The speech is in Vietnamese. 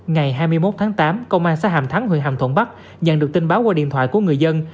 ngày hai mươi một tháng tám công an xã hàm thắng huyện hàm thuận bắc nhận được tin báo qua điện thoại của người dân